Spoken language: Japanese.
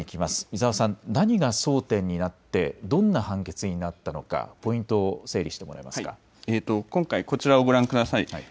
伊沢さん、何が争点になって、どんな判決になったのか、ポイントを整理して今回、こちらをご覧ください。